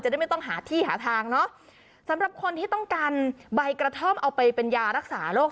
ได้ไม่ต้องหาที่หาทางเนอะสำหรับคนที่ต้องการใบกระท่อมเอาไปเป็นยารักษาโรค